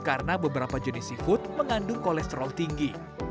karena beberapa jenis seafood mengandung kolesterol tinggi